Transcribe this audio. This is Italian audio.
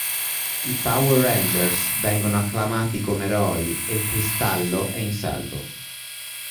I Power Rangers vengono acclamati come eroi e il Cristallo è in salvo.